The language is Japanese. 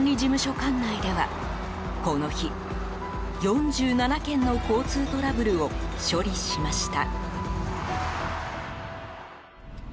管内ではこの日４７件の交通トラブルを処理しました。